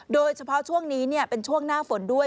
โดยเฉพาะช่วงนี้เป็นช่วงหน้าฝนด้วย